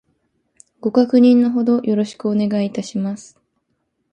ご確認の程よろしくお願いいたします